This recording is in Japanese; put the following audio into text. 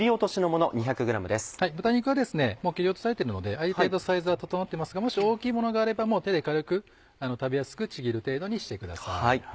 豚肉はですねもう切り落とされてるのである程度サイズは整ってますがもし大きいものがあれば手で軽く食べやすくちぎる程度にしてください。